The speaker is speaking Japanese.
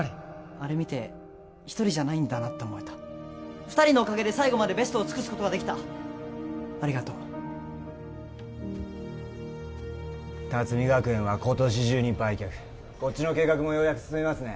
あれ見て一人じゃないんだなって思えた二人のおかげで最後までベストを尽くすことができたありがとう龍海学園は今年中に売却こっちの計画もようやく進みますね